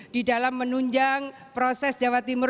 di dalam menunjang proses jawa timur